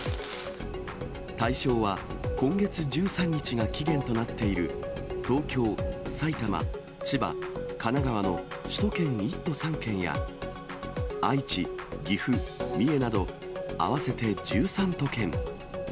対象は今月１３日が期限となっている、東京、埼玉、千葉、神奈川の首都圏の１都３県や、愛知、岐阜、三重など合わせて１３都県。